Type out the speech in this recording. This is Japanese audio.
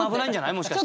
もしかして。